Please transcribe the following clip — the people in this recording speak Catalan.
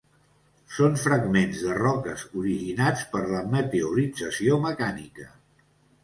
Són fragments de roques originats per la meteorització mecànica.